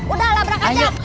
udah lah berangkat